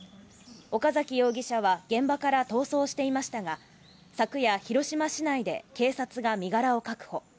岡崎容疑者は現場から逃走していましたが、昨夜、広島市内で警察が身柄を確保。